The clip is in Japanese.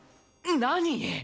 何！？